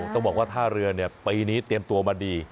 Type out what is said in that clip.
ต้องบอกว่าท่าเรือปีนี้เตรียมตัวมาดี